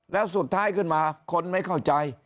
แล้วสุดท้ายขึ้นมาคนไม่เข้าใจ